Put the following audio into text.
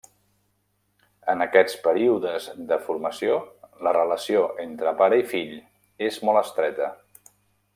En aquests períodes de formació, la relació entre pare i fill és molt estreta.